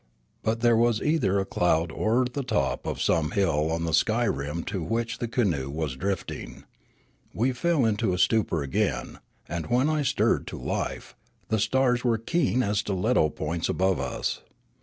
But there was either a cloud or the top of some hill on the sky rim to which the canoe was drift ing. We fell into stupor again ; and, when I stirred to life, the stars were keen as stiletto points above us.